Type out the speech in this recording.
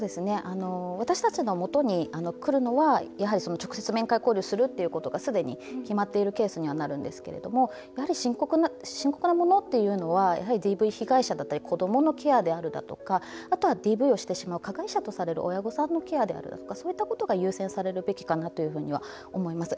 私たちの元にくるのは直接、面会交流をするってすでに決まっているケースにはなるんですけれどもやはり深刻なものというのはＤＶ被害者だったり子どものケアであるとか後はＤＶをしてしまう加害者である親御さんのケアであるとか、そういうことが優先されるべきだと思います。